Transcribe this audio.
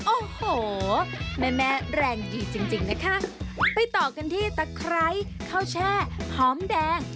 โอ้โหแม่แม่แรงดีจริงจริงนะคะไปต่อกันที่ตะไคร้ข้าวแช่หอมแดง